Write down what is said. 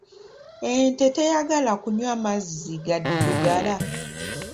Ente teyagala kunywa mazzi gaddugala.